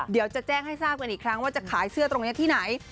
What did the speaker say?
เดี๋ยวจะแจ้งให้ทราบกันอีกครั้งว่าจะขายเสื้อตรงนี้ที่ไหน